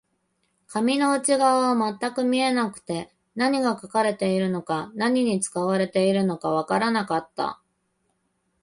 紙の内側は全く見えなくて、何が書かれているのか、何に使われていたのかわからなかった